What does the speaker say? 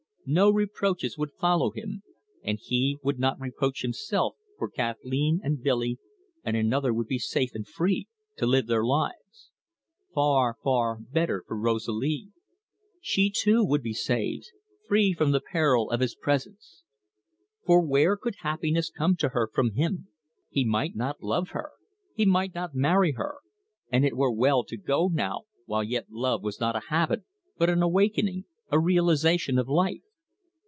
No reproaches would follow him; and he would not reproach himself, for Kathleen and Billy and another would be safe and free to live their lives. Far, far better for Rosalie! She too would be saved free from the peril of his presence. For where could happiness come to her from him? He might not love her; he might not marry her; and it were well to go now, while yet love was not a habit, but an awakening, a realisation of life.